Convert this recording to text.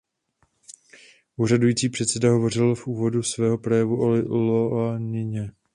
Úřadující předseda hovořil v úvodu svého projevu o Ioannině.